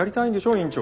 院長。